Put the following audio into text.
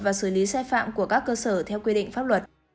và xử lý sai phạm của các cơ sở theo quy định pháp luật